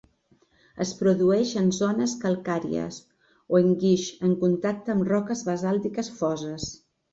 Es produeix en zones calcàries o en guix en contacte amb roques basàltiques foses.